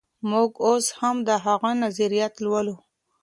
موږ اوس هم د هغه نظريات لولو.